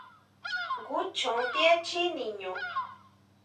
¿Jngu chjon ti echjí niñu?